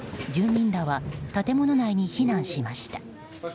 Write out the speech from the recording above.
住民らは建物内に避難しました。